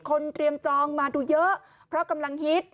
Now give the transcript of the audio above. เตรียมจองมาดูเยอะเพราะกำลังฮิต